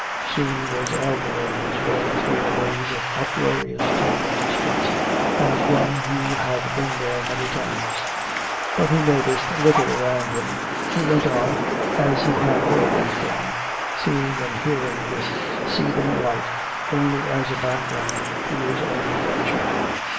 Soon he was elbowing his way through a maze of uproarious tenement streets as one who had been there many times. But he noticed little around him. He went on, as he had always gone, seeing and hearing this seething life only as a background to his own adventure.